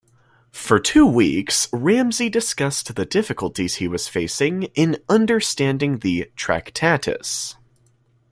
For two weeks Ramsey discussed the difficulties he was facing in understanding the "Tractatus".